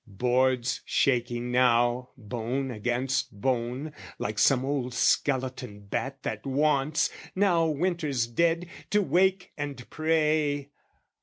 boards, shaking now, Bone against bone, like some old skeleton bat That wants, now winter's dead, to wake and prey!